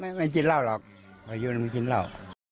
ไม่กินเหล้าหรอกมายืนไม่กินเหล้า